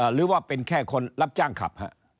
หรือว่าเป็นแค่คนรับจ้างขับ